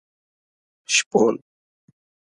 شپول